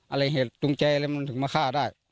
เหตุจูงใจอะไรมันถึงมาฆ่าได้